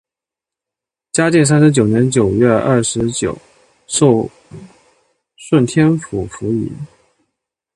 嘉靖三十九年九月廿九授顺天府府尹。